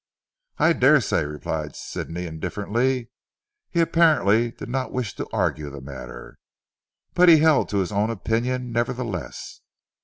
"I daresay," replied Sidney indifferently. He apparently did not wish to argue the matter. But he held to his own opinion nevertheless.